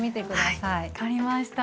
はい分かりました。